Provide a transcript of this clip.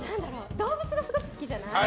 動物がすごく好きじゃない？